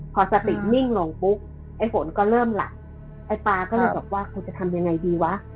พอสตินิ่งลงปุ๊บไอ้ฝนก็เริ่มหลับไอ้ปลาก็เลยบอกว่าคุณจะทำยังไงดีวะ